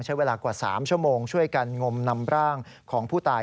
ใช้เวลากว่า๓ชั่วโมงช่วยกันงมนำร่างของผู้ตาย